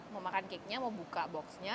mau makan cakenya mau buka boxnya